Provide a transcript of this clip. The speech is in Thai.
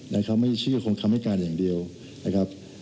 ในคำให้ชื่อความคำให้การอย่างเดียวนะครับ